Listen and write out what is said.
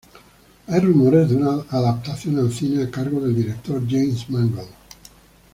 Hay rumores de una adaptación al cine a cargo del director James Mangold.